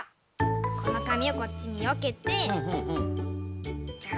このかみをこっちによけてじゃあ